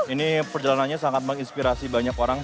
ini perjalanannya sangat menginspirasi banyak orang